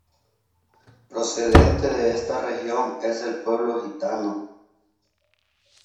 Procedente de esta región es el pueblo gitano.